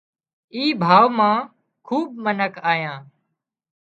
اي ڀاوَ مان کوٻ منک آيان